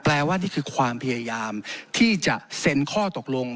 ว่านี่คือความพยายามที่จะเซ็นข้อตกลง